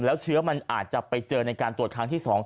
แล้วเชื้อมันอาจจะไปเจอในการตรวจครั้งที่๒